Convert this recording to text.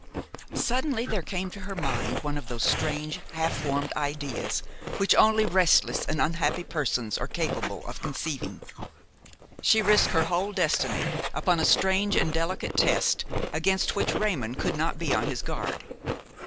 Suddenly there came to her mind one of those strange, half formed ideas, which only restless and unhappy persons are capable of conceiving. She risked her whole destiny upon a strange and delicate test against which Raymon could not be on his guard.